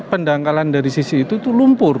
pendangkalan dari sisi itu itu lumpur